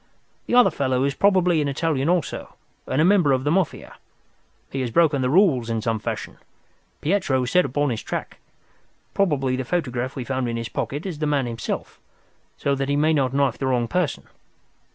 The other fellow is probably an Italian also, and a member of the Mafia. He has broken the rules in some fashion. Pietro is set upon his track. Probably the photograph we found in his pocket is the man himself, so that he may not knife the wrong person.